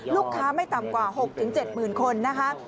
ลูกค้าไม่ต่ำกว่า๖๗หมื่นคนนะคะ